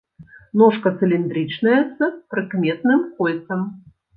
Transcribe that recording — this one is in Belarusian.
Ножка цыліндрычная, з прыкметным кольцам.